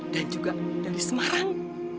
dan juga dari semarang